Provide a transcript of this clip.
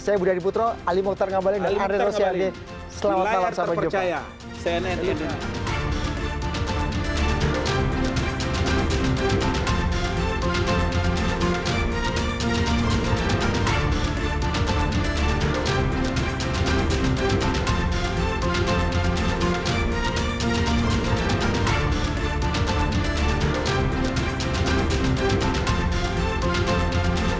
saya budi adiputro ali mohtar ngabali dan arief rosyad